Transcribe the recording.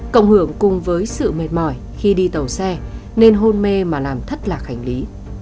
cộng hưởng cùng với sự mệt mỏi khi đi tàu xe nên hôn mê mà làm thất lạc hành lý